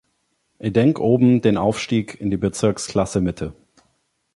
Edenkoben den Aufstieg in die Bezirksklasse Mitte.